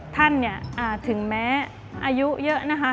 ท่านเนี่ยถึงแม้อายุเยอะนะคะ